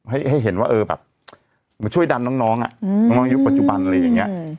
ให้ให้เห็นว่าเออแบบมันช่วยดันน้องน้องอ่ะอืมน้องน้องยุคปัจจุบันอะไรอย่างเงี้ย